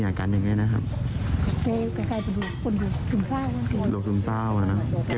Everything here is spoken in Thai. เป็นมานาฬเลยเลือกดูดิ